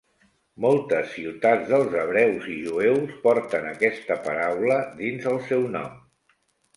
Moltes ciutats dels hebreus i jueus porten aquesta paraula dins el seu nom.